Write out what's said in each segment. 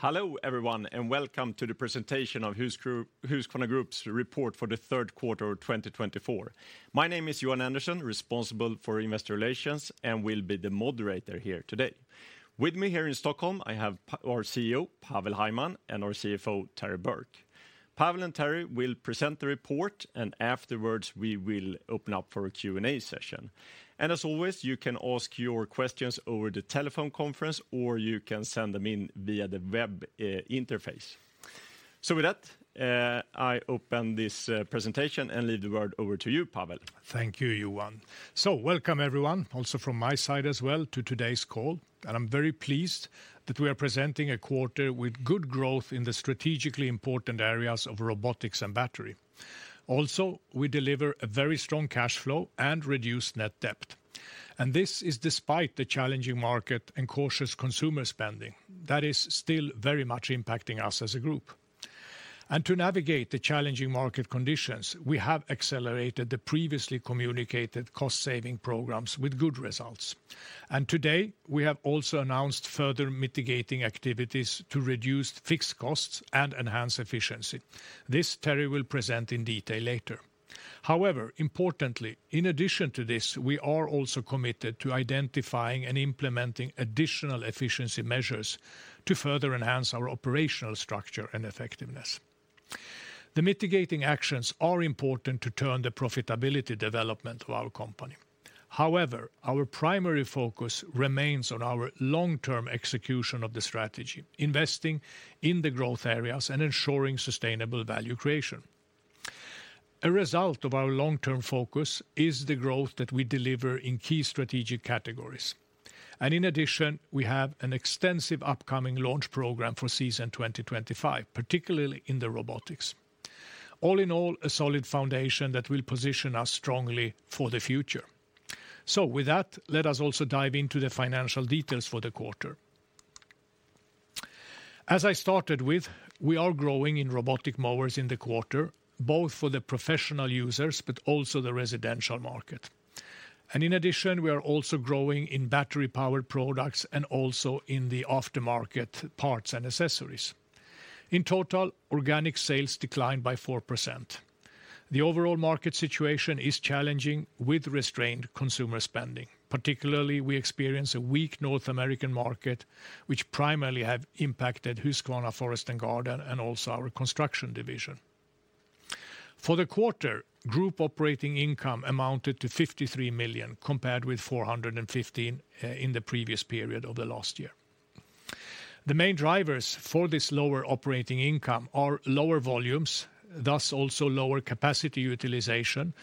Hello, everyone, and welcome to the presentation of Husqvarna Group's report for the third quarter of 2024. My name is Johan Andersson, responsible for investor relations, and will be the moderator here today. With me here in Stockholm, I have our CEO, Pavel Hajman, and our CFO, Terry Burke. Pavel and Terry will present the report, and afterwards, we will open up for a Q&A session. And as always, you can ask your questions over the telephone conference, or you can send them in via the web interface. So with that, I open this presentation and leave the word over to you, Pavel. Thank you, Johan. Welcome, everyone, also from my side as well to today's call, and I'm very pleased that we are presenting a quarter with good growth in the strategically important areas of robotics and battery. Also, we deliver a very strong cash flow and reduced net debt, and this is despite the challenging market and cautious consumer spending that is still very much impacting us as a group. To navigate the challenging market conditions, we have accelerated the previously communicated cost-saving programs with good results. Today, we have also announced further mitigating activities to reduce fixed costs and enhance efficiency. This, Terry will present in detail later. However, importantly, in addition to this, we are also committed to identifying and implementing additional efficiency measures to further enhance our operational structure and effectiveness. The mitigating actions are important to turn the profitability development of our company. However, our primary focus remains on our long-term execution of the strategy, investing in the growth areas and ensuring sustainable value creation. A result of our long-term focus is the growth that we deliver in key strategic categories, and in addition, we have an extensive upcoming launch program for season 2025, particularly in the robotics. All in all, a solid foundation that will position us strongly for the future, so with that, let us also dive into the financial details for the quarter. As I started with, we are growing in robotic mowers in the quarter, both for the professional users but also the residential market, and in addition, we are also growing in battery-powered products and also in the aftermarket parts and accessories. In total, organic sales declined by 4%. The overall market situation is challenging, with restrained consumer spending. Particularly, we experience a weak North American market, which primarily have impacted Husqvarna Forest and Garden, and also our construction division. For the quarter, group operating income amounted to 53 million, compared with 415 million in the previous period of the last year. The main drivers for this lower operating income are lower volumes, thus also lower capacity utilization,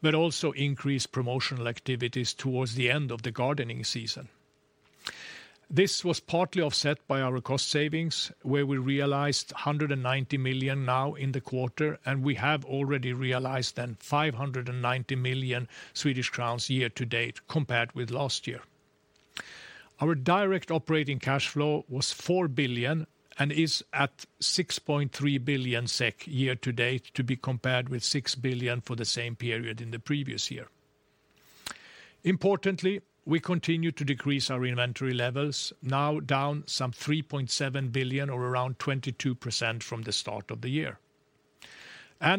but also increased promotional activities towards the end of the gardening season. This was partly offset by our cost savings, where we realized 190 million now in the quarter, and we have already realized then 590 million Swedish crowns year-to-date, compared with last year. Our direct operating cash flow was 4 billion and is at 6.3 billion SEK year-to-date, to be compared with 6 billion for the same period in the previous year. Importantly, we continue to decrease our inventory levels, now down some 3.7 billion, or around 22% from the start of the year.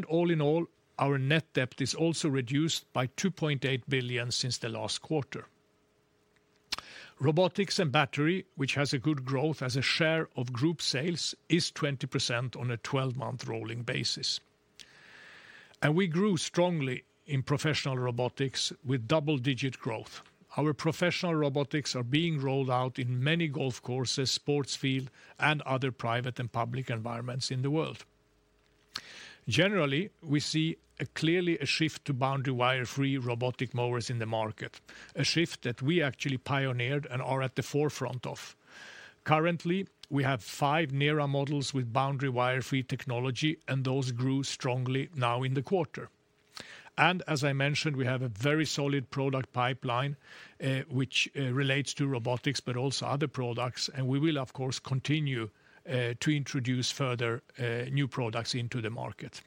All in all, our net debt is also reduced by 2.8 billion since the last quarter. Robotics and battery, which has a good growth as a share of group sales, is 20% on a 12-month rolling basis. We grew strongly in professional robotics with double-digit growth. Our professional robotics are being rolled out in many golf courses, sports field, and other private and public environments in the world. Generally, we see clearly a shift to boundary wire-free robotic mowers in the market, a shift that we actually pioneered and are at the forefront of. Currently, we have 5 NERA models with boundary wire-free technology, and those grew strongly now in the quarter. And as I mentioned, we have a very solid product pipeline, which relates to robotics but also other products, and we will, of course, continue to introduce further new products into the market.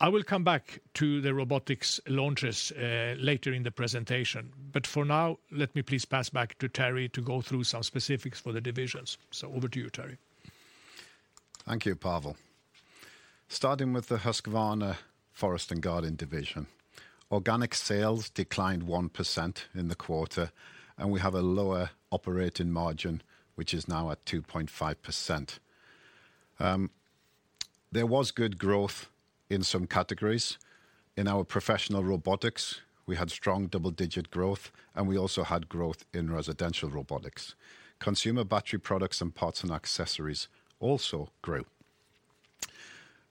I will come back to the robotics launches later in the presentation, but for now, let me please pass back to Terry to go through some specifics for the divisions. So over to you, Terry. Thank you, Pavel. Starting with the Husqvarna Forest & Garden division, organic sales declined 1% in the quarter, and we have a lower operating margin, which is now at 2.5%. There was good growth in some categories. In our professional robotics, we had strong double-digit growth, and we also had growth in residential robotics. Consumer battery products and parts and accessories also grew.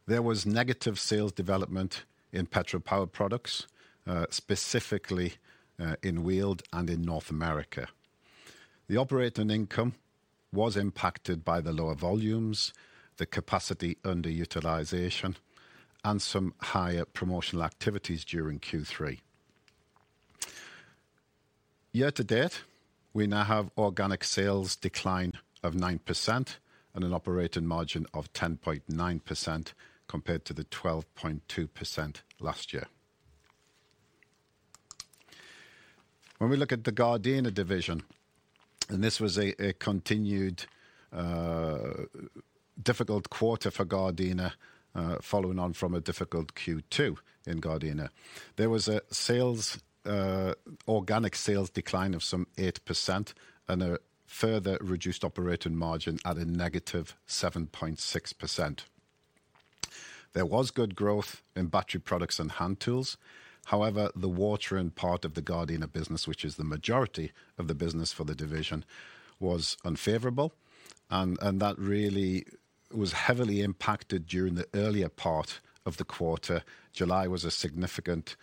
There was negative sales development in petrol-powered products, specifically, in wheeled and in North America. The operating income was impacted by the lower volumes, the capacity underutilization, and some higher promotional activities during Q3. Year-to-date, we now have organic sales decline of 9% and an operating margin of 10.9%, compared to the 12.2% last year. When we look at the Gardena division, and this was a continued difficult quarter for Gardena, following on from a difficult Q2 in Gardena. There was a sales organic sales decline of some 8% and a further reduced operating margin at a negative 7.6%. There was good growth in battery products and hand tools. However, the watering part of the Gardena business, which is the majority of the business for the division, was unfavorable, and that really was heavily impacted during the earlier part of the quarter. July was a significant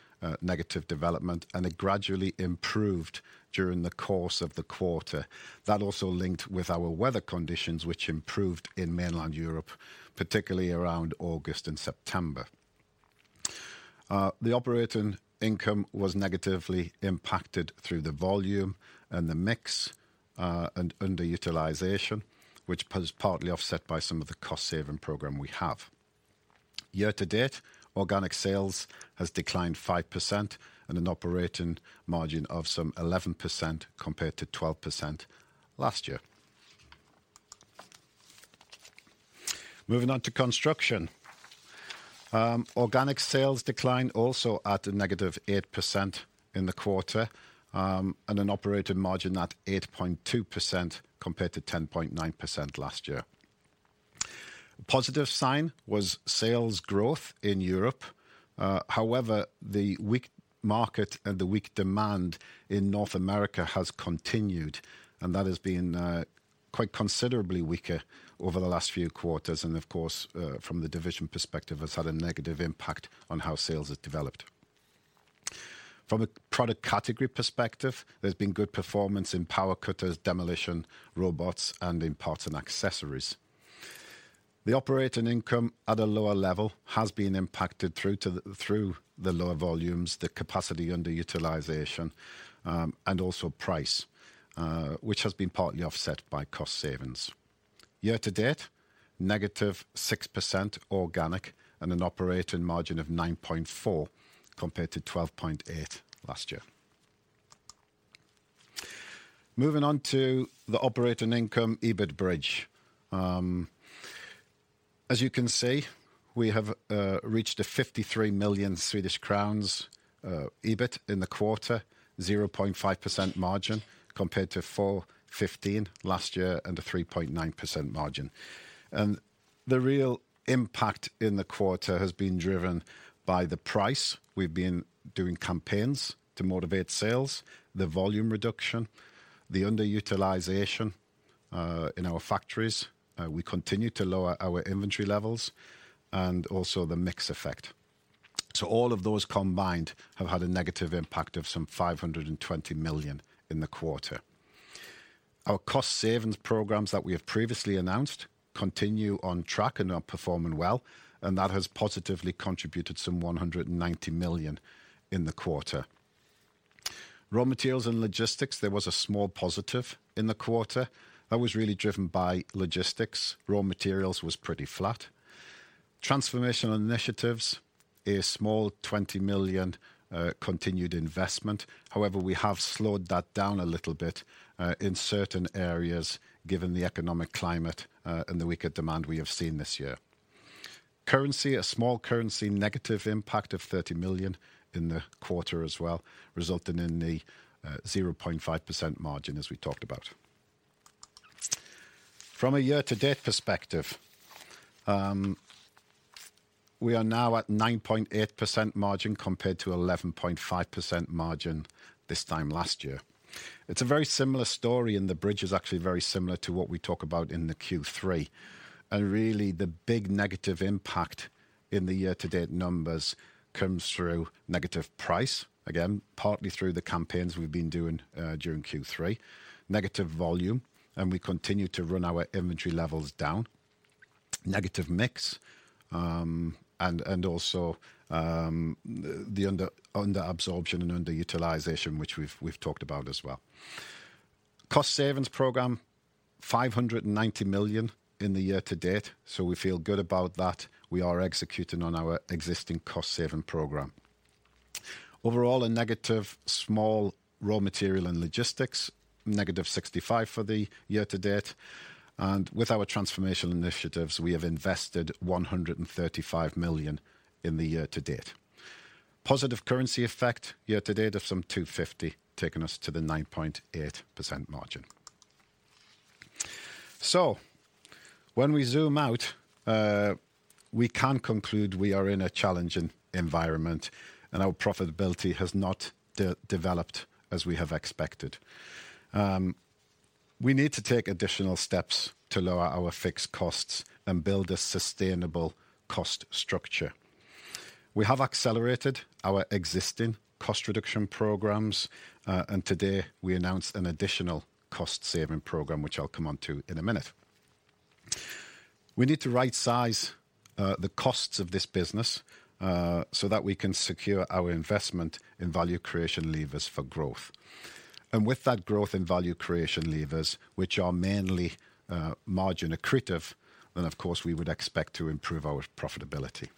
negative development, and it gradually improved during the course of the quarter. That also linked with our weather conditions, which improved in mainland Europe, particularly around August and September. The operating income was negatively impacted through the volume and the mix, and underutilization, which was partly offset by some of the cost-saving program we have. Year-to-date, organic sales has declined 5% and an operating margin of some 11% compared to 12% last year. Moving on to construction. Organic sales declined also at a negative 8% in the quarter, and an operating margin at 8.2% compared to 10.9% last year. A positive sign was sales growth in Europe. However, the weak market and the weak demand in North America has continued, and that has been quite considerably weaker over the last few quarters, and of course, from the division perspective, has had a negative impact on how sales have developed. From a product category perspective, there's been good performance in power cutters, demolition, robots, and in parts and accessories. The operating income at a lower level has been impacted through the lower volumes, the capacity underutilization, and also price, which has been partly offset by cost savings. Year-to-date, negative 6% organic and an operating margin of 9.4 compared to 12.8 last year. Moving on to the operating income EBIT bridge. As you can see, we have reached 53 million Swedish crowns EBIT in the quarter, 0.5% margin, compared to 415 million last year and a 3.9% margin. The real impact in the quarter has been driven by the price. We've been doing campaigns to motivate sales, the volume reduction, the underutilization in our factories. We continue to lower our inventory levels and also the mix effect. All of those combined have had a negative impact of some 520 million in the quarter. Our cost savings programs that we have previously announced continue on track and are performing well, and that has positively contributed some 190 million in the quarter. Raw materials and logistics, there was a small positive in the quarter. That was really driven by logistics. Raw materials was pretty flat. Transformational initiatives, a small 20 million continued investment. However, we have slowed that down a little bit in certain areas, given the economic climate and the weaker demand we have seen this year. Currency, a small currency negative impact of 30 million in the quarter as well, resulting in the 0.5% margin, as we talked about. From a year-to-date perspective, we are now at 9.8% margin compared to 11.5% margin this time last year. It's a very similar story, and the bridge is actually very similar to what we talk about in the Q3. And really, the big negative impact in the year-to-date numbers comes through negative price, again, partly through the campaigns we've been doing during Q3. Negative volume, and we continue to run our inventory levels down. Negative mix, and also, the under absorption and underutilization, which we've talked about as well. Cost savings program, 590 million in the year to date, so we feel good about that. We are executing on our existing cost-saving program. Overall, a negative small raw material and logistics, negative 65 million for the year-to-date. And with our transformational initiatives, we have invested 135 million in the year to date. Positive currency effect year to date of some 250 million, taking us to the 9.8% margin. When we zoom out, we can conclude we are in a challenging environment, and our profitability has not developed as we have expected. We need to take additional steps to lower our fixed costs and build a sustainable cost structure. We have accelerated our existing cost reduction programs, and today we announced an additional cost-saving program, which I'll come on to in a minute. We need to rightsize the costs of this business, so that we can secure our investment in value creation levers for growth. And with that growth in value creation levers, which are mainly margin accretive, then, of course, we would expect to improve our profitability.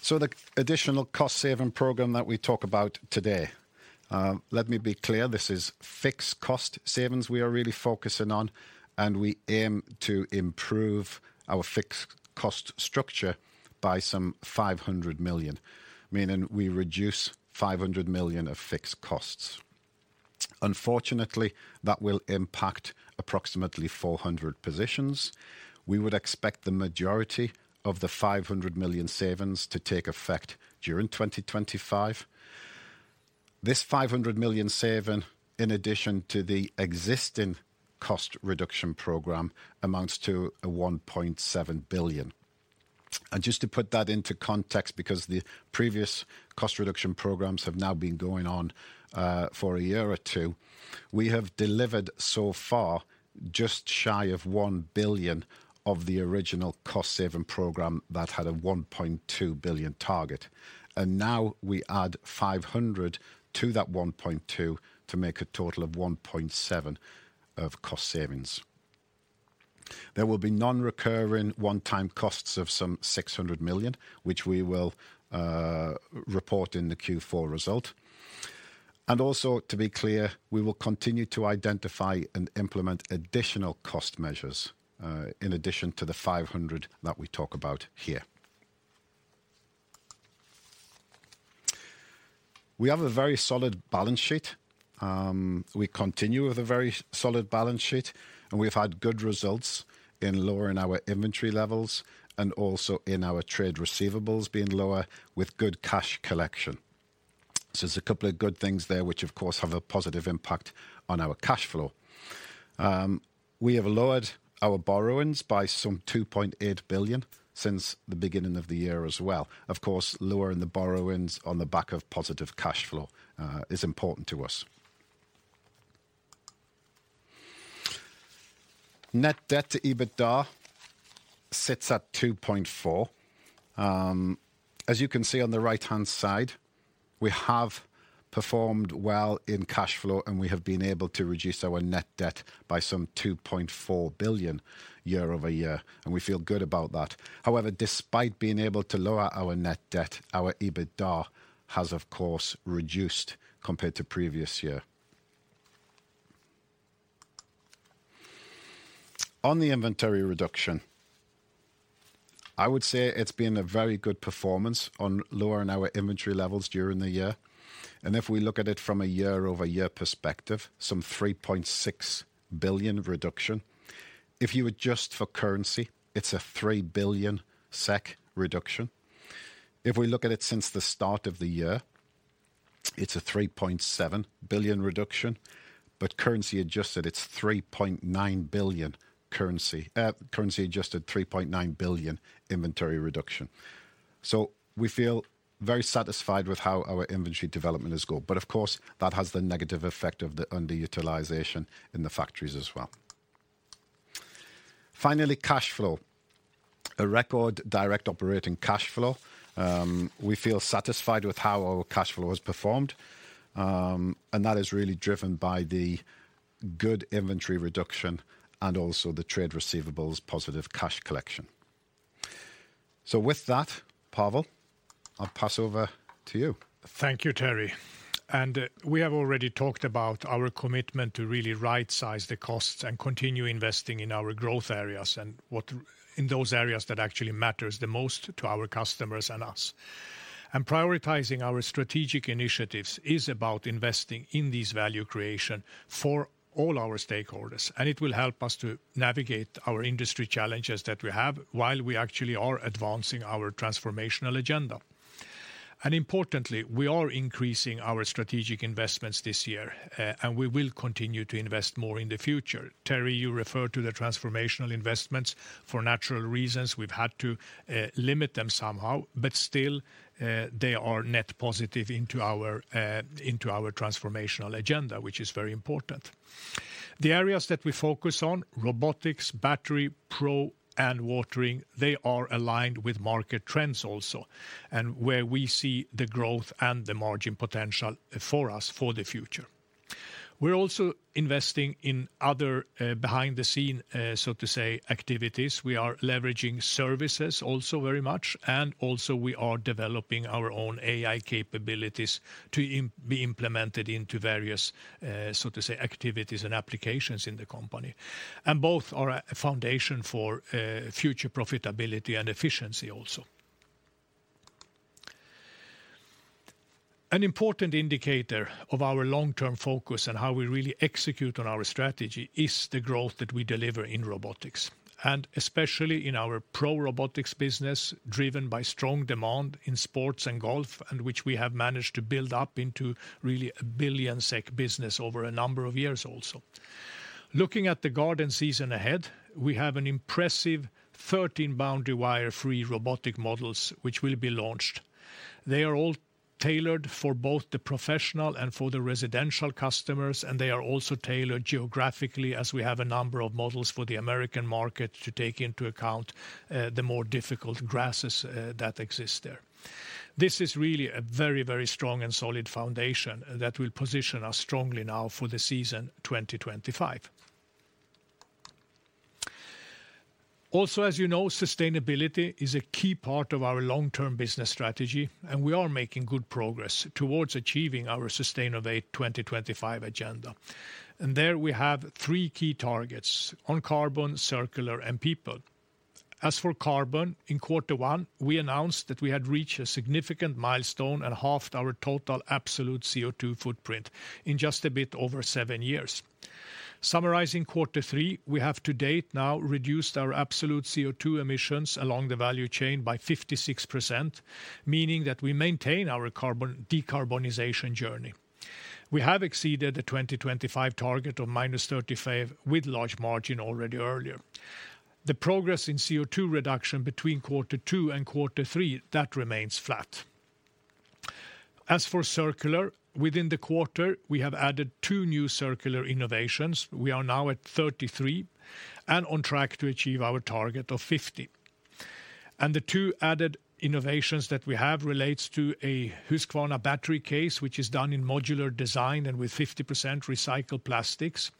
So the additional cost saving program that we talk about today, let me be clear, this is fixed cost savings we are really focusing on, and we aim to improve our fixed cost structure by some 500 million, meaning we reduce 500 million of fixed costs. Unfortunately, that will impact approximately 400 positions. We would expect the majority of the 500 million savings to take effect during 2025. This 500 million saving, in addition to the existing cost reduction program, amounts to a 1.7 billion. And just to put that into context, because the previous cost reduction programs have now been going on for a year or two, we have delivered so far just shy of 1 billion of the original cost-saving program that had a 1.2 billion target. And now we add 500 million to that 1.2 billion to make a total of 1.7 billion of cost savings. There will be non-recurring one-time costs of some 600 million, which we will report in the Q4 result. And also, to be clear, we will continue to identify and implement additional cost measures in addition to the 500 million that we talk about here. We have a very solid balance sheet. We continue with a very solid balance sheet, and we've had good results in lowering our inventory levels and also in our trade receivables being lower, with good cash collection, so there's a couple of good things there, which, of course, have a positive impact on our cash flow. We have lowered our borrowings by some 2.8 billion since the beginning of the year as well. Of course, lowering the borrowings on the back of positive cash flow is important to us. Net debt to EBITDA sits at 2.4. As you can see on the right-hand side, we have performed well in cash flow, and we have been able to reduce our net debt by some 2.4 billion year-over-year, and we feel good about that. However, despite being able to lower our net debt, our EBITDA has, of course, reduced compared to previous year. On the inventory reduction, I would say it's been a very good performance on lowering our inventory levels during the year, and if we look at it from a year-over-year perspective, some 3.6 billion reduction. If you adjust for currency, it's a 3 billion SEK reduction. If we look at it since the start of the year, it's a 3.7 billion reduction, but currency adjusted, it's 3.9 billion currency, currency-adjusted 3.9 billion inventory reduction. So we feel very satisfied with how our inventory development has gone. But of course, that has the negative effect of the underutilization in the factories as well. Finally, cash flow: a record direct operating cash flow. We feel satisfied with how our cash flow has performed, and that is really driven by the good inventory reduction and also the trade receivables positive cash collection. So with that, Pavel, I'll pass over to you. Thank you, Terry. We have already talked about our commitment to really rightsize the costs and continue investing in our growth areas, and in those areas that actually matters the most to our customers and us. Prioritizing our strategic initiatives is about investing in these value creation for all our stakeholders, and it will help us to navigate our industry challenges that we have while we actually are advancing our transformational agenda. Importantly, we are increasing our strategic investments this year, and we will continue to invest more in the future. Terry, you referred to the transformational investments. For natural reasons, we've had to limit them somehow, but still, they are net positive into our transformational agenda, which is very important. The areas that we focus on, robotics, battery, pro, and watering, they are aligned with market trends also, and where we see the growth and the margin potential for us for the future. We're also investing in other, behind the scenes, so to say, activities. We are leveraging services also very much, and also we are developing our own AI capabilities to be implemented into various, so to say, activities and applications in the company, and both are a foundation for future profitability and efficiency also. An important indicator of our long-term focus and how we really execute on our strategy is the growth that we deliver in robotics, and especially in our pro robotics business, driven by strong demand in sports and golf, and which we have managed to build up into really a 1 billion SEK business over a number of years also. Looking at the garden season ahead, we have an impressive 13 boundary wire-free robotic models, which will be launched. They are all tailored for both the professional and for the residential customers, and they are also tailored geographically as we have a number of models for the American market to take into account, the more difficult grasses, that exist there. This is really a very, very strong and solid foundation that will position us strongly now for the season 2025. Also, as you know, sustainability is a key part of our long-term business strategy, and we are making good progress towards achieving our Sustainovate 2025 agenda, and there we have three key targets: on carbon, circular, and people. As for carbon, in quarter one, we announced that we had reached a significant milestone and halved our total absolute CO2 footprint in just a bit over seven years. Summarizing quarter three, we have to date now reduced our absolute CO2 emissions along the value chain by 56%, meaning that we maintain our carbon decarbonization journey. We have exceeded the 2025 target of -35% with large margin already earlier. The progress in CO2 reduction between quarter two and quarter three, that remains flat. As for circular, within the quarter, we have added two new circular innovations. We are now at 33, and on track to achieve our target of 50. And the two added innovations that we have relates to a Husqvarna Battery Case, which is done in modular design and with 50% recycled plastics.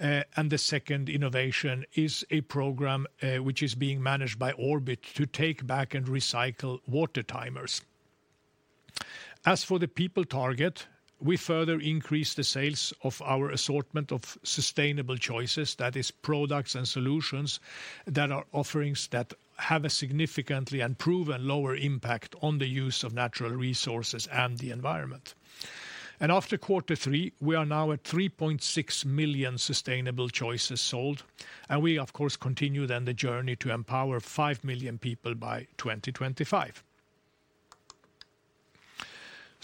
And the second innovation is a program, which is being managed by Orbit to take back and recycle water timers. As for the people target, we further increased the sales of our assortment of sustainable choices. That is, products and solutions that are offerings that have a significantly and proven lower impact on the use of natural resources and the environment. After quarter three, we are now at 3.6 million sustainable choices sold, and we of course continue then the journey to empower 5 million people by 2025.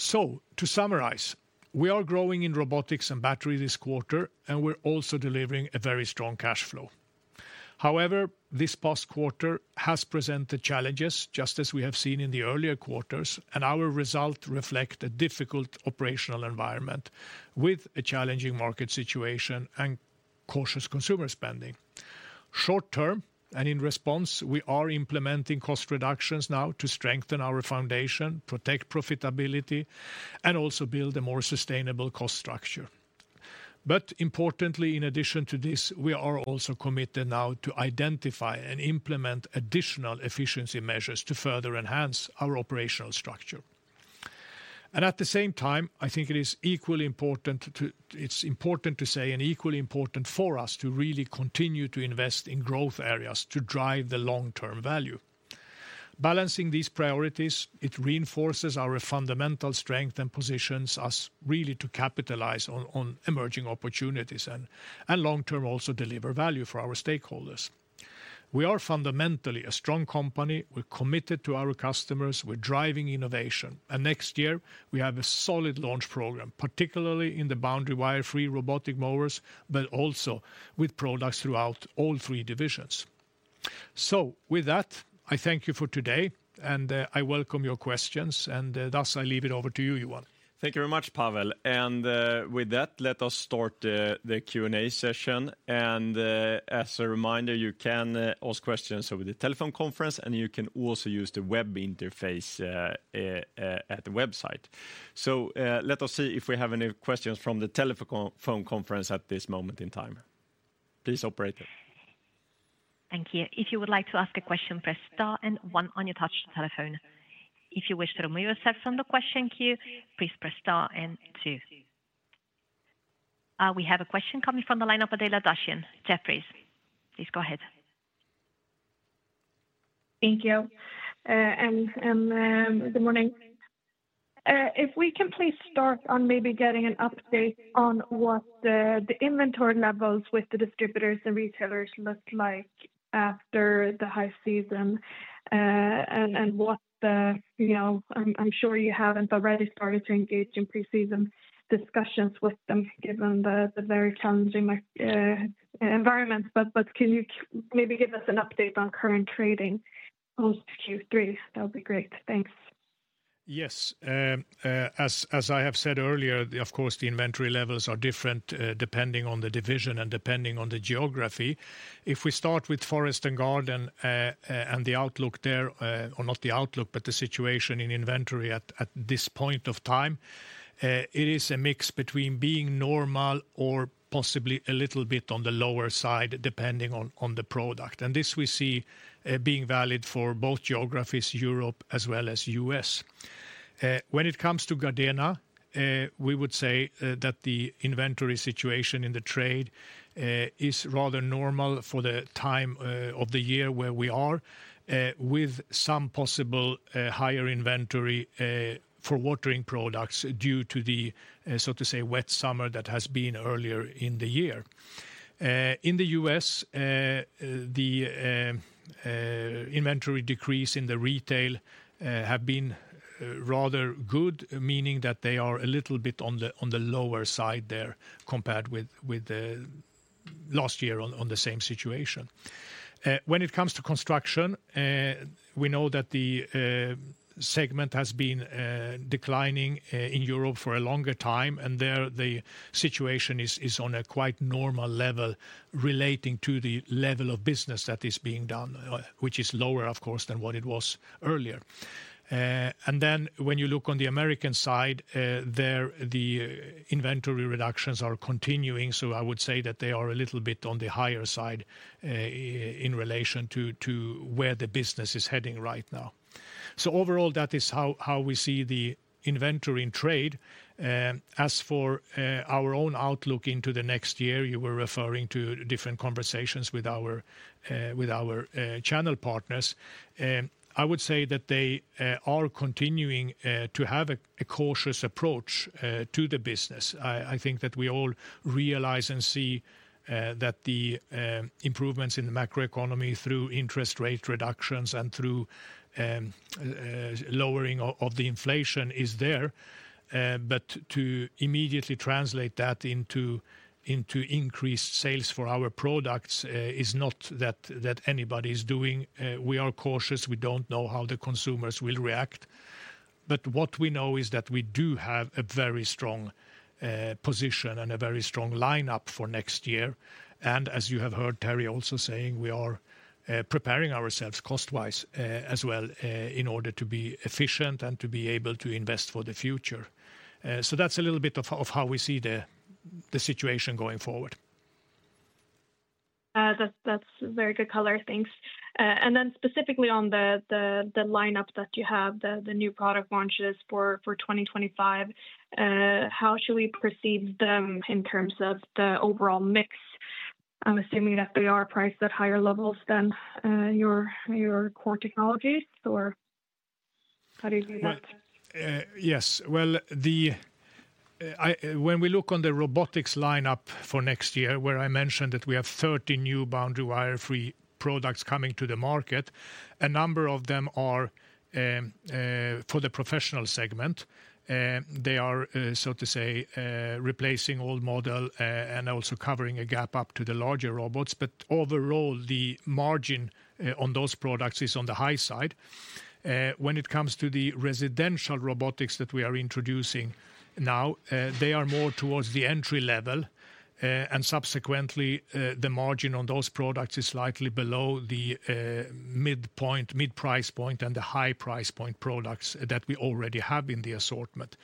To summarize, we are growing in robotics and battery this quarter, and we're also delivering a very strong cash flow. However, this past quarter has presented challenges, just as we have seen in the earlier quarters, and our result reflect a difficult operational environment with a challenging market situation and cautious consumer spending. Short term, and in response, we are implementing cost reductions now to strengthen our foundation, protect profitability, and also build a more sustainable cost structure. But importantly, in addition to this, we are also committed now to identify and implement additional efficiency measures to further enhance our operational structure. And at the same time, I think it is equally important. It's important to say, and equally important for us, to really continue to invest in growth areas to drive the long-term value. Balancing these priorities, it reinforces our fundamental strength and positions us really to capitalize on emerging opportunities, and long-term also deliver value for our stakeholders. We are fundamentally a strong company. We're committed to our customers. We're driving innovation, and next year we have a solid launch program, particularly in the boundary wire-free robotic mowers, but also with products throughout all three divisions. So with that, I thank you for today, and I welcome your questions, and thus I leave it over to you, Johan. Thank you very much, Pavel, and with that, let us start the Q&A session. And as a reminder, you can ask questions over the telephone conference, and you can also use the web interface at the website. So let us see if we have any questions from the telephone conference at this moment in time. Please, operator. Thank you. If you would like to ask a question, press star and one on your touch telephone. If you wish to remove yourself from the question queue, please press star and two. We have a question coming from the line of Adela Dashian, Jefferies. Please go ahead. Thank you, good morning. If we can please start on maybe getting an update on what the inventory levels with the distributors and retailers look like after the high season, and what the... You know, I'm sure you haven't already started to engage in pre-season discussions with them, given the very challenging environment, but can you maybe give us an update on current trading on Q3? That would be great. Thanks. Yes, as I have said earlier, of course, the inventory levels are different, depending on the division and depending on the geography. If we start with Forest and Garden, and the outlook there, or not the outlook, but the situation in inventory at this point of time, it is a mix between being normal or possibly a little bit on the lower side, depending on the product, and this we see being valid for both geographies, Europe as well as U.S. When it comes to Gardena, we would say that the inventory situation in the trade is rather normal for the time of the year where we are, with some possible higher inventory for watering products due to the so to say wet summer that has been earlier in the year. In the US, the inventory decrease in the retail have been rather good, meaning that they are a little bit on the lower side there, compared with last year on the same situation. When it comes to construction, we know that the segment has been declining in Europe for a longer time, and there, the situation is on a quite normal level relating to the level of business that is being done, which is lower, of course, than what it was earlier. And then when you look on the American side, there, the inventory reductions are continuing, so I would say that they are a little bit on the higher side, in relation to where the business is heading right now. So overall, that is how we see the inventory in trade. As for our own outlook into the next year, you were referring to different conversations with our channel partners. I would say that they are continuing to have a cautious approach to the business. I think that we all realize and see that the improvements in the macroeconomy through interest rate reductions and through lowering of the inflation is there. But to immediately translate that into increased sales for our products is not that anybody is doing. We are cautious. We don't know how the consumers will react. But what we know is that we do have a very strong position and a very strong lineup for next year. And as you have heard Terry also saying, we are preparing ourselves cost-wise as well in order to be efficient and to be able to invest for the future. So that's a little bit of how we see the situation going forward. That's very good color. Thanks. And then specifically on the lineup that you have, the new product launches for 2025, how should we perceive them in terms of the overall mix? I'm assuming that they are priced at higher levels than your core technologies, or how do you view that? Yes. When we look on the robotics lineup for next year, where I mentioned that we have 30 new boundary wire-free products coming to the market, a number of them are for the professional segment. They are so to speak replacing old model and also covering a gap up to the larger robots. But overall, the margin on those products is on the high side. When it comes to the residential robotics that we are introducing now, they are more towards the entry level and subsequently the margin on those products is slightly below the midpoint, mid-price point and the high price point products that we already have in the assortment.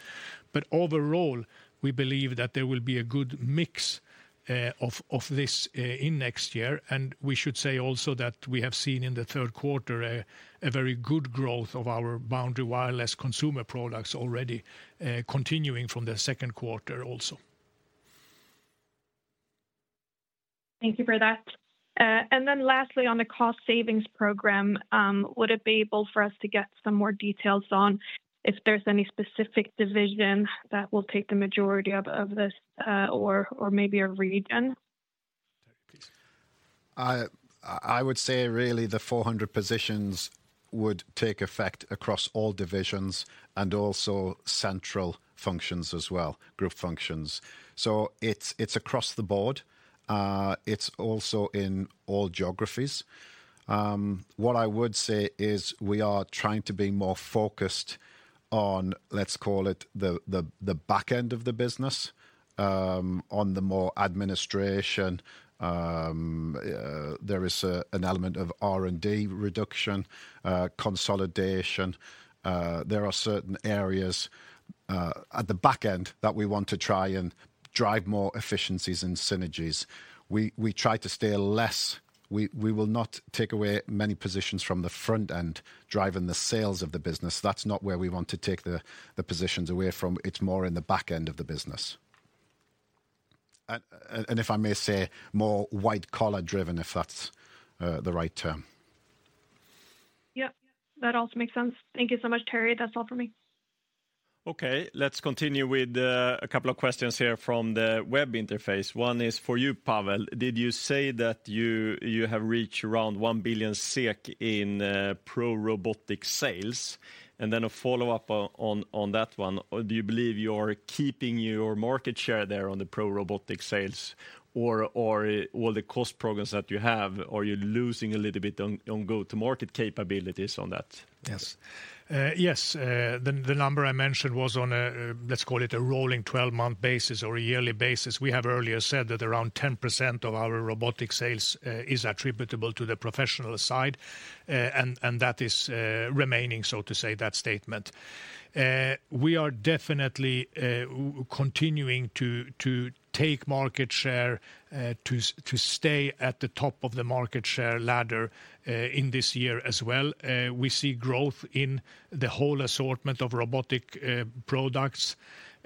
But overall, we believe that there will be a good mix of this in next year, and we should say also that we have seen in the third quarter a very good growth of our boundary wire-free consumer products already, continuing from the second quarter also. Thank you for that. And then lastly, on the cost savings program, would it be able for us to get some more details on if there's any specific division that will take the majority of this, or maybe a region? I would say really the 400 positions would take effect across all divisions and also central functions as well, group functions. So it's across the board. It's also in all geographies. What I would say is we are trying to be more focused on, let's call it, the back end of the business, on the more administration. There is an element of R&D reduction, consolidation. There are certain areas at the back end that we want to try and drive more efficiencies and synergies. We try to steer less. We will not take away many positions from the front end, driving the sales of the business. That's not where we want to take the positions away from. It's more in the back end of the business. And if I may say, more white collar driven, if that's the right term. Yep, that also makes sense. Thank you so much, Terry. That's all for me. Okay, let's continue with a couple of questions here from the web interface. One is for you, Pavel: Did you say that you have reached around 1 billion SEK in pro robotic sales? And then a follow-up on that one. Do you believe you're keeping your market share there on the pro robotic sales, or all the cost programs that you have, are you losing a little bit on go-to-market capabilities on that? Yes. Yes, the number I mentioned was on a, let's call it, a rolling twelve-month basis or a yearly basis. We have earlier said that around 10% of our robotic sales is attributable to the professional side, and that is remaining, so to say, that statement. We are definitely continuing to take market share to stay at the top of the market share ladder in this year as well. We see growth in the whole assortment of robotic products.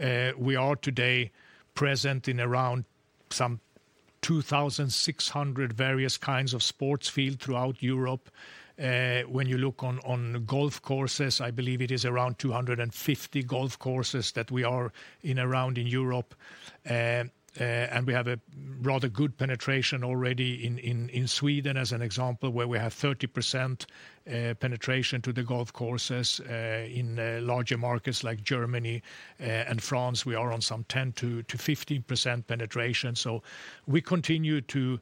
We are today present in around some 2,600 various kinds of sports field throughout Europe. When you look on golf courses, I believe it is around 250 golf courses that we are in around in Europe. And we have a rather good penetration already in Sweden, as an example, where we have 30% penetration to the golf courses. In larger markets like Germany and France, we are on some 10%-15% penetration. So we continue to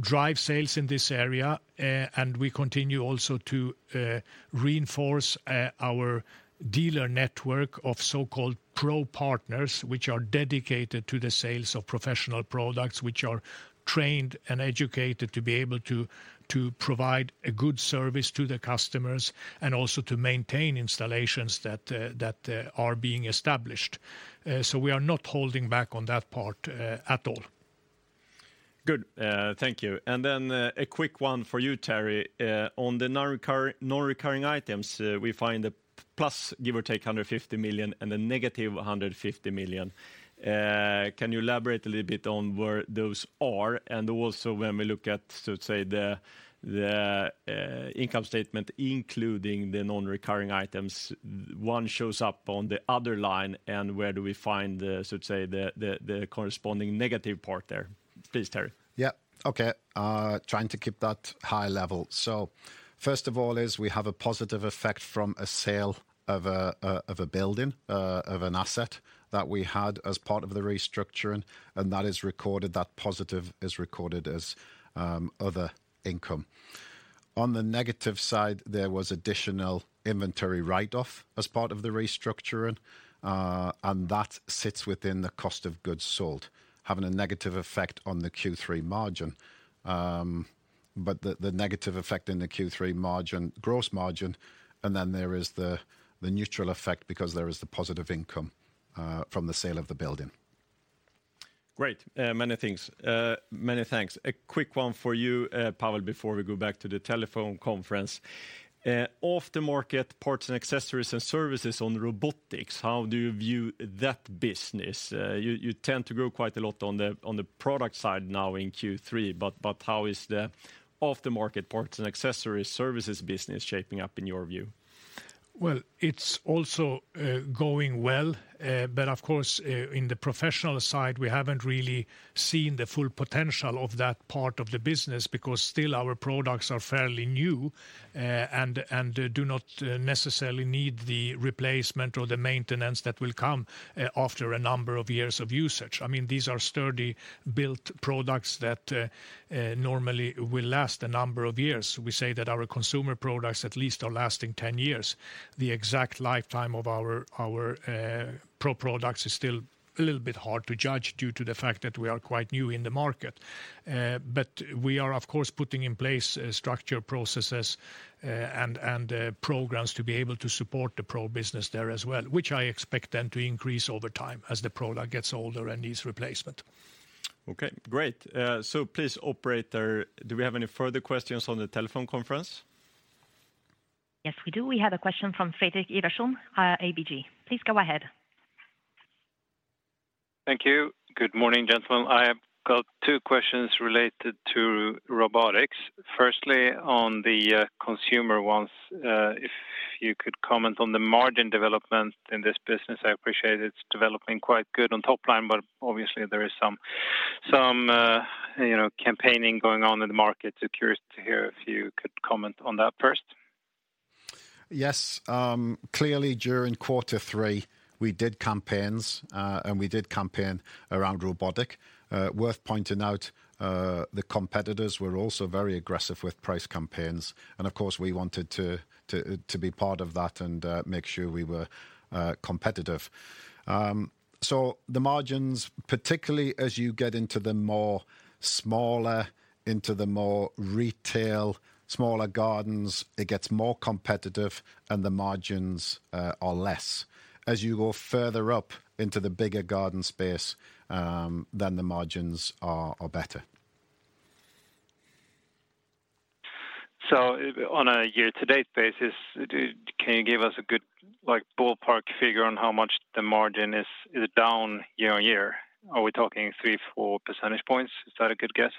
drive sales in this area, and we continue also to reinforce our dealer network of so-called pro partners, which are dedicated to the sales of professional products, which are trained and educated to be able to provide a good service to the customers and also to maintain installations that are being established. So we are not holding back on that part at all. Good. Thank you. And then, a quick one for you, Terry. On the nonrecurring items, we find a plus, give or take, 150 million and a -150 million. Can you elaborate a little bit on where those are? And also when we look at, so to say, the income statement, including the nonrecurring items, one shows up on the other line, and where do we find the, so to say, the corresponding negative part there? Please, Terry. Yeah. Okay, trying to keep that high level. So first of all, is we have a positive effect from a sale of a building, of an asset that we had as part of the restructuring, and that is recorded, that positive is recorded as other income. On the negative side, there was additional inventory write-off as part of the restructuring, and that sits within the cost of goods sold, having a negative effect on the Q3 margin. But the negative effect in the Q3 margin, gross margin, and then there is the neutral effect because there is the positive income from the sale of the building. Great. Many thanks. A quick one for you, Pavel, before we go back to the telephone conference. Aftermarket parts and accessories and services on robotics, how do you view that business? You tend to grow quite a lot on the product side now in Q3, but how is the aftermarket parts and accessories services business shaping up in your view? It's also going well, but of course, in the professional side, we haven't really seen the full potential of that part of the business because still our products are fairly new, and do not necessarily need the replacement or the maintenance that will come after a number of years of usage. I mean, these are sturdy-built products that normally will last a number of years. We say that our consumer products at least are lasting ten years. The exact lifetime of our pro products is still a little bit hard to judge due to the fact that we are quite new in the market. But we are, of course, putting in place structure, processes, and programs to be able to support the pro business there as well, which I expect then to increase over time as the product gets older and needs replacement. Okay, great. So please, operator, do we have any further questions on the telephone conference? Yes, we do. We have a question from Fredrik Ivarsson, ABG. Please go ahead. Thank you. Good morning, gentlemen. I have got two questions related to robotics. Firstly, on the consumer ones, if you could comment on the margin development in this business, I appreciate it's developing quite good on top line, but obviously there is some campaigning going on in the market. So curious to hear if you could comment on that first. Yes, clearly during quarter three, we did campaigns, and we did campaign around robotic. Worth pointing out, the competitors were also very aggressive with price campaigns, and of course, we wanted to be part of that and make sure we were competitive. So the margins, particularly as you get into the more smaller, into the more retail, smaller gardens, it gets more competitive and the margins are less. As you go further up into the bigger garden space, then the margins are better. So on a year-to-date basis, can you give us a good, like, ballpark figure on how much the margin is down year-on-year? Are we talking three, 4 percentage points? Is that a good guess?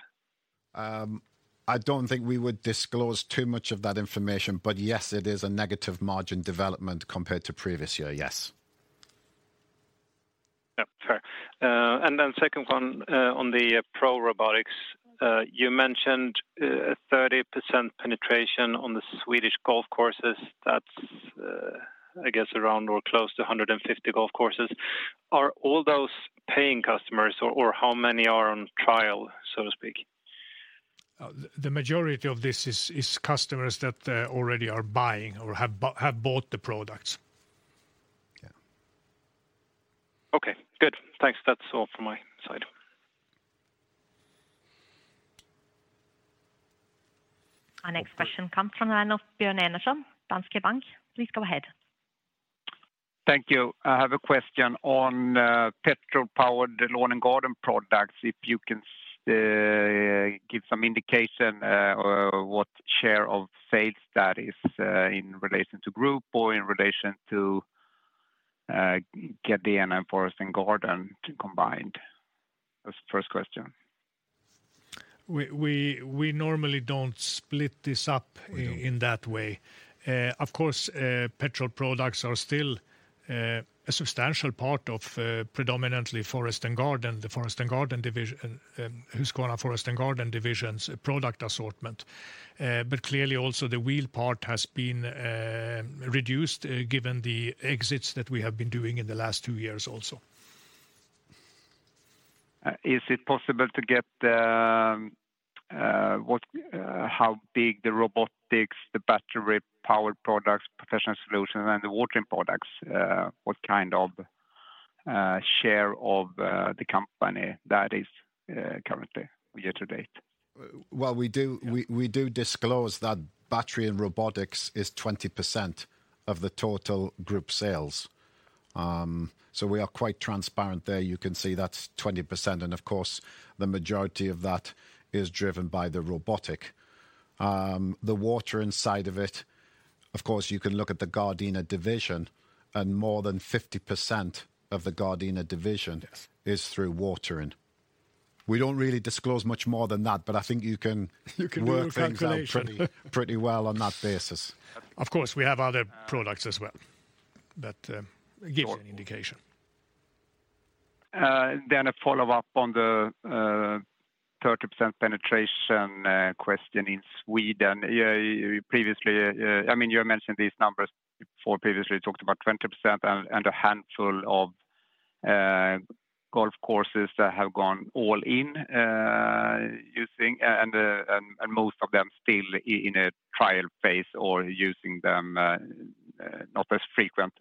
I don't think we would disclose too much of that information, but yes, it is a negative margin development compared to previous year. Yes. Yeah, fair. And then second one, on the pro robotics, you mentioned 30% penetration on the Swedish golf courses. That's, I guess, around or close to 150 golf courses. Are all those paying customers, or how many are on trial, so to speak? The majority of this is customers that already are buying or have bought the products. Yeah. Okay, good. Thanks. That's all from my side. Our next question comes from Björn Enarson, Danske Bank. Please go ahead. Thank you. I have a question on petrol-powered lawn and garden products, if you can give some indication what share of sales that is in relation to group or in relation to Gardena and Forest and Garden combined? That's the first question. We normally don't split this up in that way. Of course, petrol products are still a substantial part of predominantly Forest and Garden, the Forest and Garden division, Husqvarna Forest and Garden division's product assortment. But clearly also the wheel part has been reduced, given the exits that we have been doing in the last two years also. Is it possible to get how big the robotics, the battery-powered products, professional solutions, and the watering products, what kind of share of the company that is currently year-to-date? Well, we do we do disclose that battery and robotics is 20% of the total group sales. So we are quite transparent there. You can see that's 20%, and of course, the majority of that is driven by the robotic. The watering side of it, of course, you can look at the Gardena division, and more than 50% of the Gardena division- Yes... is through watering. We don't really disclose much more than that, but I think you can- You can do a calculation.... work things out pretty well on that basis. Of course, we have other products as well, but,... it gives you an indication. Then a follow-up on the 30% penetration question in Sweden. Yeah, previously, I mean, you mentioned these numbers before, previously talked about 20% and a handful of golf courses that have gone all in using, and most of them still in a trial phase or using them not as frequent.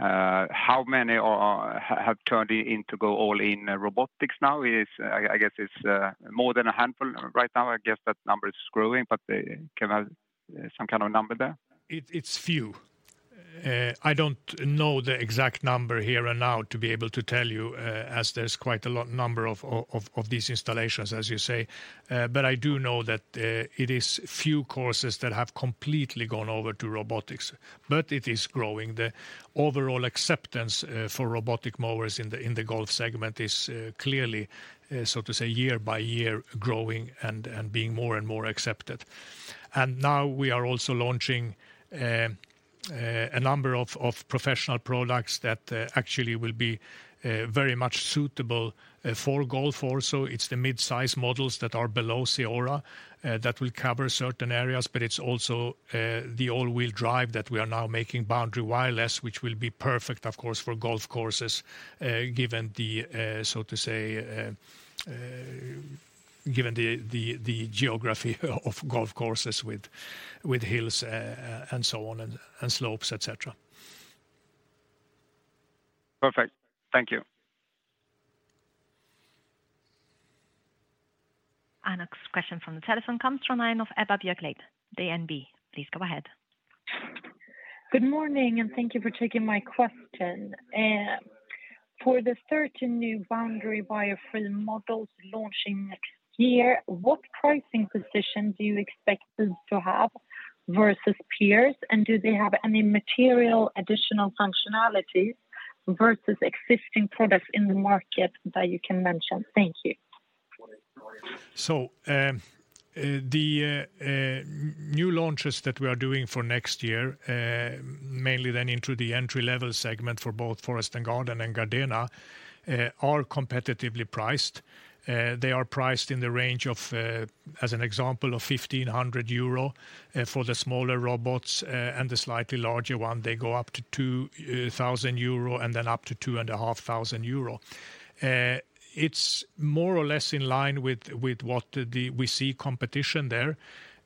How many have turned in to go all in robotics now is. I guess it's more than a handful right now. I guess that number is growing, but can I have some kind of number there? It's few. I don't know the exact number here and now to be able to tell you, as there's quite a lot of these installations, as you say. But I do know that it is few courses that have completely gone over to robotics, but it is growing. The overall acceptance for robotic mowers in the golf segment is clearly, so to say, year-by-year growing and being more and more accepted. Now we are also launching a number of professional products that actually will be very much suitable for golf also. It's the mid-size models that are below CEORA that will cover certain areas, but it's also the all-wheel drive that we are now making boundary wire-free, which will be perfect, of course, for golf courses, given the so to say geography of golf courses with hills and so on and slopes, et cetera. Perfect. Thank you. Our next question from the telephone comes from the line of Ebba Björklid, DNB. Please go ahead. Good morning, and thank you for taking my question. For the 13 new boundary wire-free models launching next year, what pricing position do you expect this to have versus peers? And do they have any material additional functionalities versus existing products in the market that you can mention? Thank you. The new launches that we are doing for next year, mainly then into the entry-level segment for both Forest and Garden and Gardena, are competitively priced. They are priced in the range of, as an example, of 1,500 euro for the smaller robots. And the slightly larger one, they go up to 2,000 euro, and then up to 2,500 euro. It's more or less in line with what we see competition there.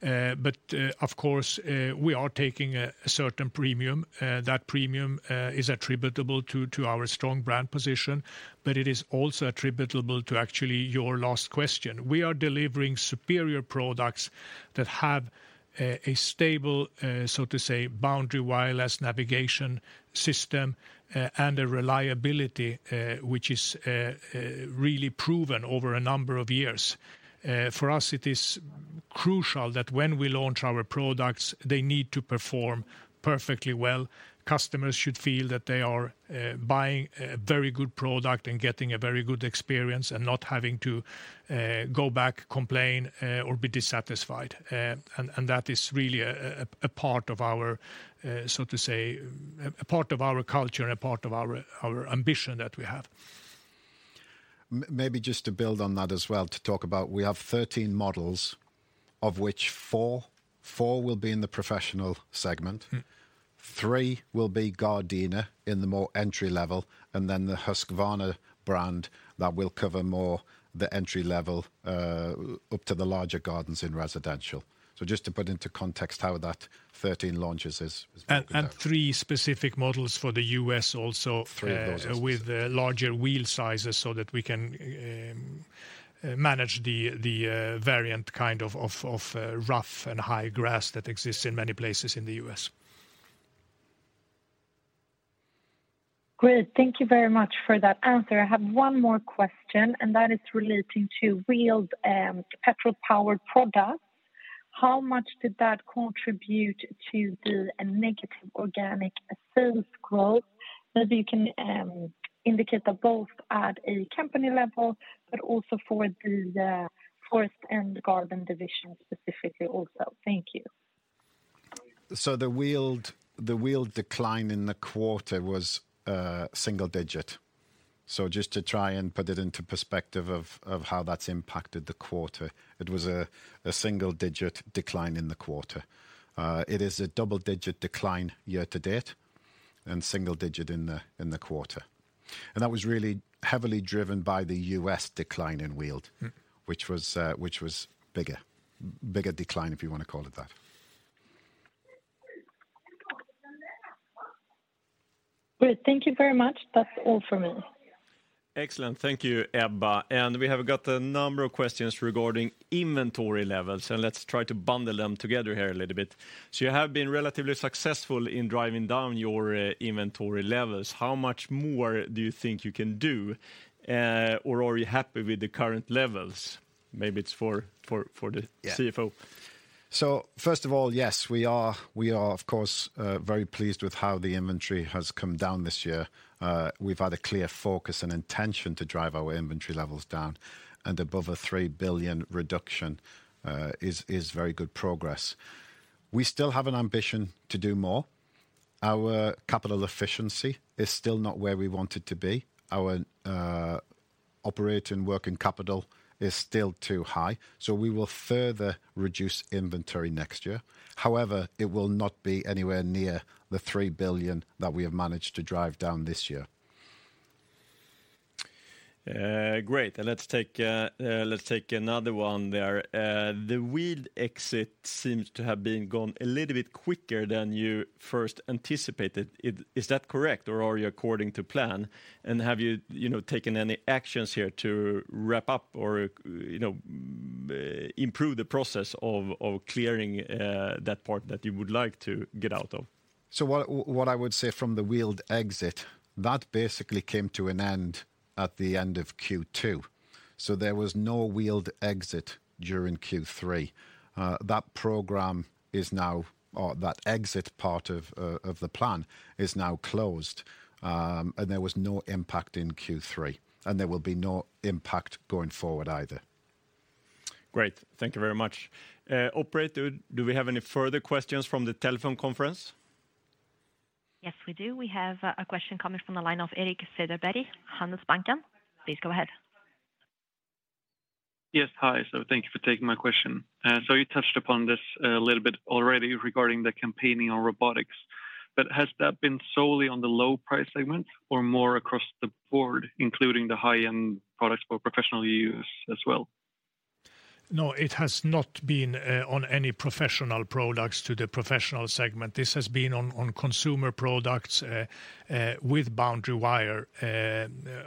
But, of course, we are taking a certain premium. That premium is attributable to our strong brand position, but it is also attributable to actually your last question. We are delivering superior products that have a stable, so to say, boundary wire-free navigation system, and a reliability, which is really proven over a number of years. For us, it is crucial that when we launch our products, they need to perform perfectly well. Customers should feel that they are buying a very good product and getting a very good experience and not having to go back, complain, or be dissatisfied. And that is really a part of our, so to say, a part of our culture and a part of our ambition that we have. Maybe just to build on that as well, to talk about, we have 13 models, of which four will be in the professional segment. Mm. There will be Gardena in the more entry level, and then the Husqvarna brand, that will cover more the entry level up to the larger gardens in residential. So just to put into context how that thirteen launches is broken down. Three specific models for the US also- Three of those... with the larger wheel sizes so that we can manage the variant kind of rough and high grass that exists in many places in the US. Great, thank you very much for that answer. I have one more question, and that is relating to wheels and petrol-powered products. How much did that contribute to the negative organic sales growth? Maybe you can indicate that both at a company level, but also for the Forest and Garden division specifically also. Thank you. So the wheeled decline in the quarter was single-digit. Just to try and put it into perspective of how that's impacted the quarter, it was a single-digit decline in the quarter. It is a double-digit decline year-to-date, and single-digit in the quarter. That was really heavily driven by the U.S. decline in wheeled- Mm. which was bigger decline, if you wanna call it that. Great. Thank you very much. That's all for me. Excellent. Thank you, Ebba, and we have got a number of questions regarding inventory levels, and let's try to bundle them together here a little bit. So you have been relatively successful in driving down your inventory levels. How much more do you think you can do? Or are you happy with the current levels? Maybe it's for the CFO. Yeah. So first of all, yes, we are, of course, very pleased with how the inventory has come down this year. We've had a clear focus and intention to drive our inventory levels down, and above a 3 billion reduction is very good progress. We still have an ambition to do more. Our capital efficiency is still not where we want it to be. Our operating working capital is still too high, so we will further reduce inventory next year. However, it will not be anywhere near the 3 billion that we have managed to drive down this year. Great. And let's take another one there. The wheeled exit seems to have gone a little bit quicker than you first anticipated. Is that correct, or are you according to plan, and have you, you know, taken any actions here to wrap up or, you know, improve the process of clearing that part that you would like to get out of? So what I would say from the wheeled exit, that basically came to an end at the end of Q2, so there was no wheeled exit during Q3. That program is now, or that exit part of the plan, is now closed. And there was no impact in Q3, and there will be no impact going forward either. Great, thank you very much. Operator, do we have any further questions from the telephone conference? Yes, we do. We have a question coming from the line of Erik Cederberg, Handelsbanken. Please go ahead. Yes, hi, so thank you for taking my question. So you touched upon this a little bit already regarding the campaigning on robotics, but has that been solely on the low price segment or more across the board, including the high-end products for professional use as well? No, it has not been on any professional products to the professional segment. This has been on consumer products with boundary wire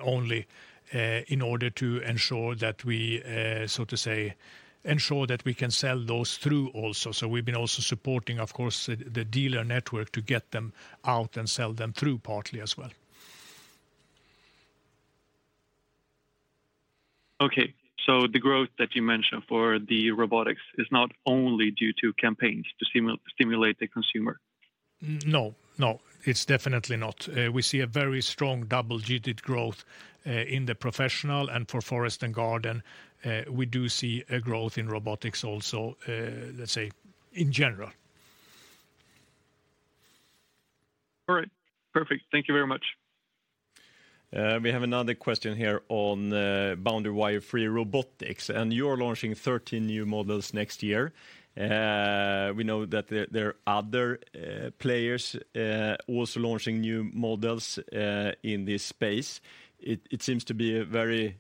only in order to ensure that we so to say ensure that we can sell those through also. So we've been also supporting, of course, the dealer network to get them out and sell them through partly as well. Okay, so the growth that you mentioned for the robotics is not only due to campaigns to stimulate the consumer? No, no, it's definitely not. We see a very strong double-digit growth in the professional and for Forest and Garden. We do see a growth in robotics also, let's say, in general. All right. Perfect. Thank you very much. We have another question here on boundary wire-free robotics, and you're launching 13 new models next year. We know that there are other players also launching new models in this space. It seems to be a very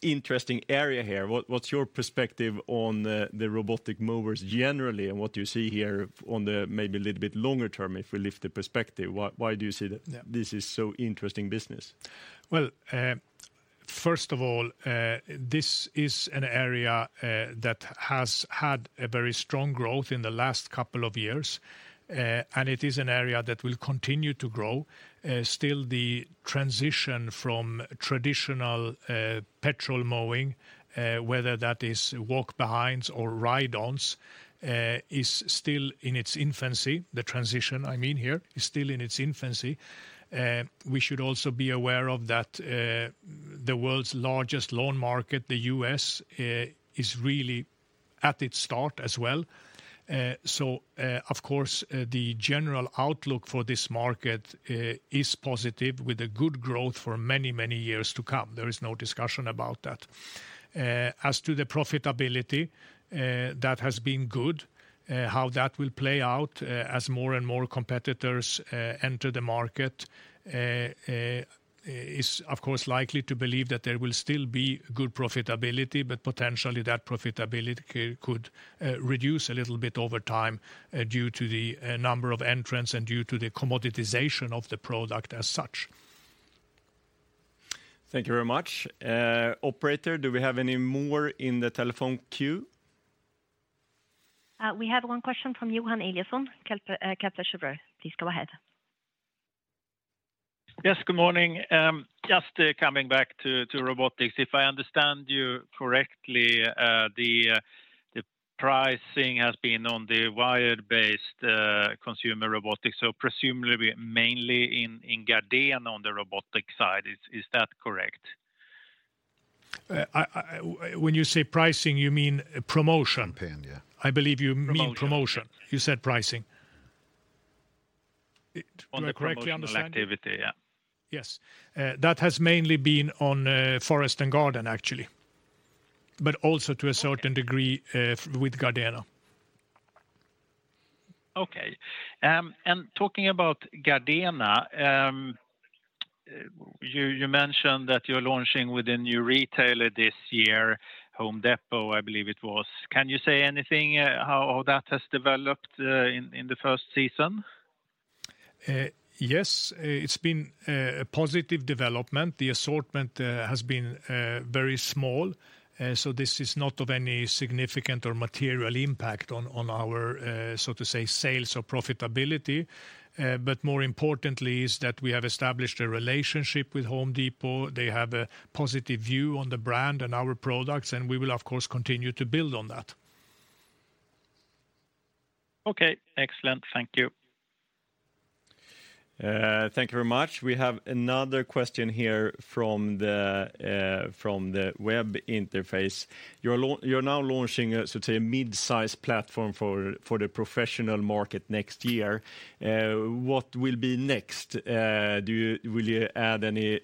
interesting area here. What is your perspective on the robotic mowers generally, and what do you see here on the maybe a little bit longer term, if we lift the perspective? Why do you see that-... this is so interesting business? Well, first of all, this is an area that has had a very strong growth in the last couple of years, and it is an area that will continue to grow. Still, the transition from traditional petrol mowing, whether that is walk-behinds or ride-ons, is still in its infancy. The transition, I mean here, is still in its infancy. We should also be aware of that, the world's largest lawn market, the U.S., is really at its start as well. So, of course, the general outlook for this market is positive, with a good growth for many, many years to come. There is no discussion about that. As to the profitability, that has been good. How that will play out as more and more competitors enter the market is, of course, likely to believe that there will still be good profitability, but potentially that profitability could reduce a little bit over time due to the number of entrants and due to the commoditization of the product as such. Thank you very much. Operator, do we have any more in the telephone queue? We have one question from Johan Eliason, Kepler Cheuvreux. Please go ahead.... Yes, good morning. Just coming back to robotics, if I understand you correctly, the pricing has been on the wire-based consumer robotics, so presumably mainly in Gardena on the robotics side. Is that correct? When you say pricing, you mean promotion? Promotion, yeah. Promotion, yeah. I.believe you mean promotion? You said pricing. On the promotional activity- Do I correctly understand? Yeah. Yes. That has mainly been on Forest and Garden, actually, but also to a certain degree-... with Gardena. Okay, and talking about Gardena, you mentioned that you're launching with a new retailer this year, Home Depot, I believe it was. Can you say anything, how all that has developed, in the first season? Yes. It's been a positive development. The assortment has been very small, so this is not of any significant or material impact on our, so to say, sales or profitability. But more importantly is that we have established a relationship with Home Depot. They have a positive view on the brand and our products, and we will of course continue to build on that. Okay. Excellent. Thank you. Thank you very much. We have another question here from the web interface. You're now launching a, so to say, a mid-size platform for the professional market next year. What will be next? Will you add any,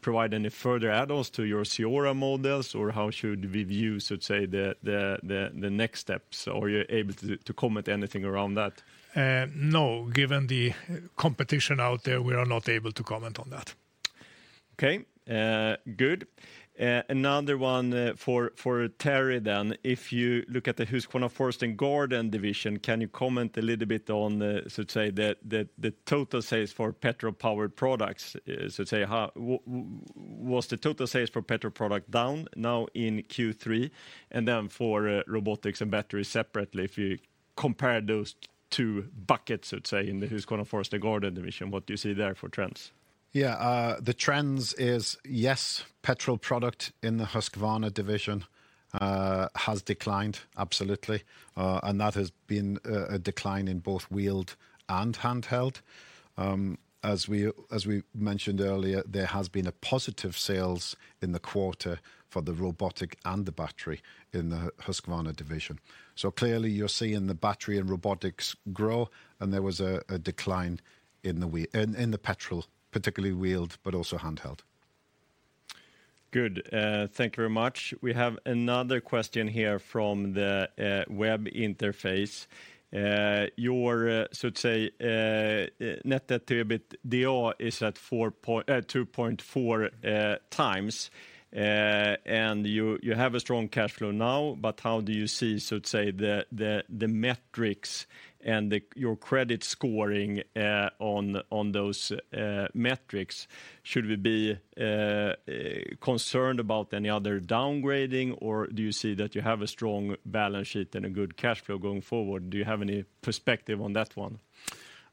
provide any further add-ons to your CEORA models, or how should we view, so to say, the next steps? Or are you able to comment anything around that? No. Given the competition out there, we are not able to comment on that. Okay. Good. Another one for Terry, then. If you look at the Husqvarna Forest and Garden division, can you comment a little bit on the total sales for petrol-powered products? How was the total sales for petrol product down now in Q3? And then for robotics and batteries separately, if you compare those two buckets, in the Husqvarna Forest and Garden division, what do you see there for trends? Yeah. The trends is, yes, petrol product in the Husqvarna division has declined, absolutely. And that has been a decline in both wheeled and handheld. As we mentioned earlier, there has been a positive sales in the quarter for the robotic and the battery in the Husqvarna division. So clearly you're seeing the battery and robotics grow, and there was a decline in the petrol, particularly wheeled, but also handheld. Good. Thank you very much. We have another question here from the web interface. Your net debt to EBIT is at 2.4x. And you have a strong cash flow now, but how do you see the metrics and your credit scoring on those metrics? Should we be concerned about any other downgrading, or do you see that you have a strong balance sheet and a good cash flow going forward? Do you have any perspective on that one?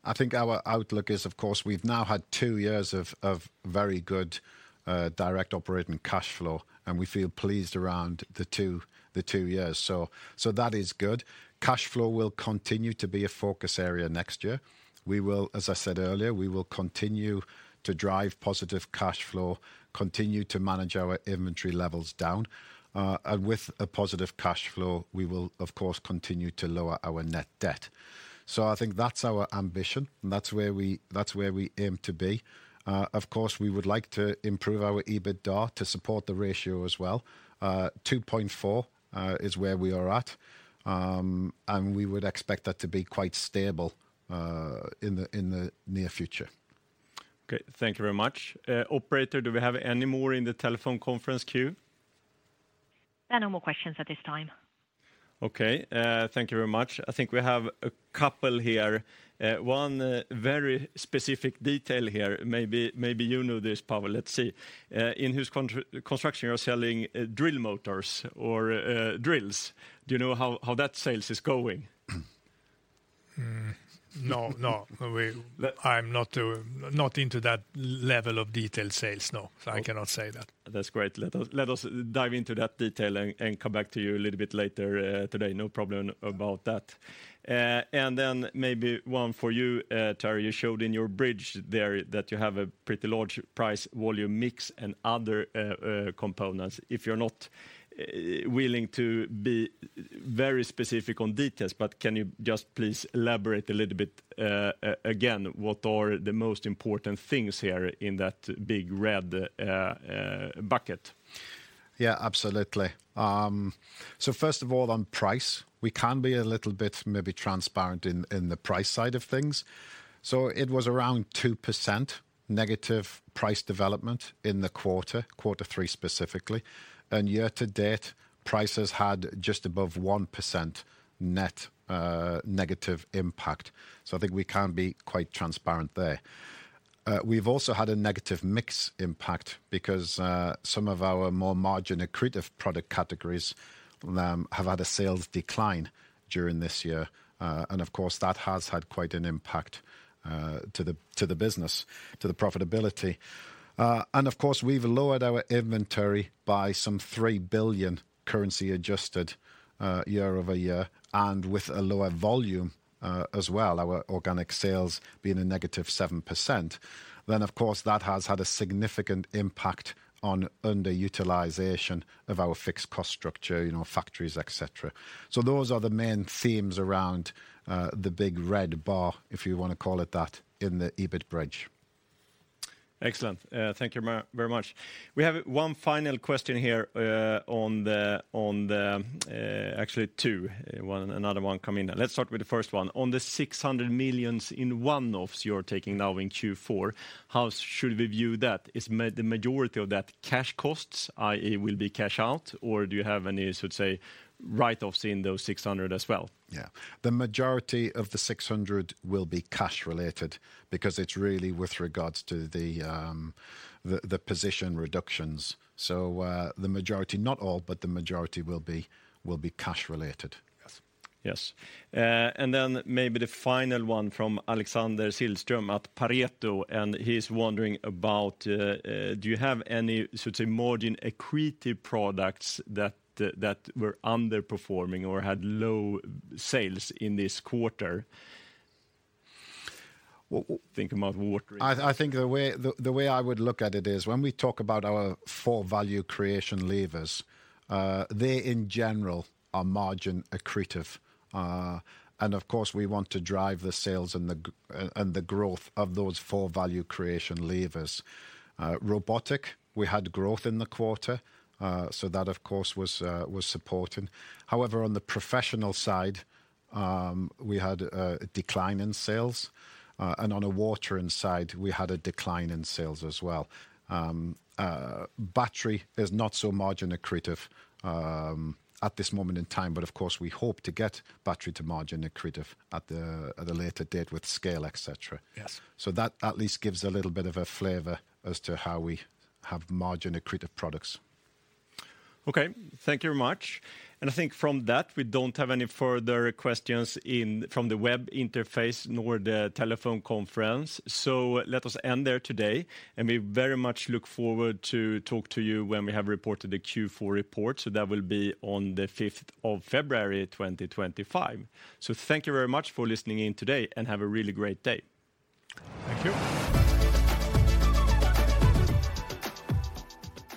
I think our outlook is, of course, we've now had two years of very good direct operating cash flow, and we feel pleased around the two years. So that is good. Cash flow will continue to be a focus area next year. We will, as I said earlier, we will continue to drive positive cash flow, continue to manage our inventory levels down. And with a positive cash flow, we will of course continue to lower our net debt. So I think that's our ambition, and that's where we aim to be. Of course, we would like to improve our EBITDA to support the ratio as well. Two point four is where we are at, and we would expect that to be quite stable in the near future. Okay, thank you very much. Operator, do we have any more in the telephone conference queue? There are no more questions at this time. Okay, thank you very much. I think we have a couple here. One very specific detail here. Maybe you know this, Pavel, let's see. In Husqvarna Construction, you're selling drill motors or drills. Do you know how that sales is going? No, no. We... I'm not, not into that level of detail sales, no- Okay... so I cannot say that. That's great. Let us dive into that detail and come back to you a little bit later, today. No problem about that. And then maybe one for you, Terry. You showed in your bridge there that you have a pretty large price volume mix and other components. If you're not willing to be very specific on details, but can you just please elaborate a little bit, again, what are the most important things here in that big red bucket? Yeah, absolutely. So first of all, on price, we can be a little bit maybe transparent in the price side of things. So it was around -2% price development in the quarter, quarter three specifically. And year-to-date, prices had just above -1% net impact, so I think we can be quite transparent there. We've also had a negative mix impact because some of our more margin accretive product categories have had a sales decline during this year. And of course, that has had quite an impact to the business, to the profitability. And of course, we've lowered our inventory by some 3 billion currency adjusted, year-over-year, and with a lower volume as well, our organic sales being a -7%. Then, of course, that has had a significant impact on underutilization of our fixed cost structure, you know, factories, et cetera. So those are the main themes around the big red bar, if you want to call it that, in the EBIT bridge. Excellent. Thank you very much. We have one final question here, actually two, another one coming in. Let's start with the first one. On the 600 million in one-offs you're taking now in Q4, how should we view that? Is the majority of that cash costs, i.e., will be cash out, or do you have any, so to say, write-offs in those 600 million as well? Yeah. The majority of the 600 million will be cash related because it's really with regards to the position reductions. So, the majority, not all, but the majority will be cash related. Yes. Yes. And then maybe the final one from Alexander Stjernström at Pareto, and he's wondering about, do you have any, so to say, margin accretive products that were underperforming or had low sales in this quarter? I think the way I would look at it is, when we talk about our four value creation levers, they, in general, are margin accretive. And of course, we want to drive the sales and the growth of those four value creation levers. Robotic, we had growth in the quarter, so that, of course, was supporting. However, on the professional side, we had a decline in sales, and on the watering side, we had a decline in sales as well. Battery is not so margin accretive, at this moment in time, but of course, we hope to get battery to margin accretive at a later date with scale, et cetera. Yes. So that at least gives a little bit of a flavor as to how we have margin accretive products. Okay, thank you very much, and I think from that, we don't have any further questions in, from the web interface nor the telephone conference, so let us end there today, and we very much look forward to talk to you when we have reported the Q4 report, so that will be on the fifth of February, twenty twenty-five, so thank you very much for listening in today, and have a really great day. Thank you.